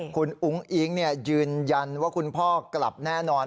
คุณอุ้งอิ๊งยืนยันว่าคุณพ่อกลับแน่นอน